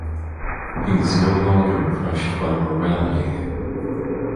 He’s no longer crushed by morality.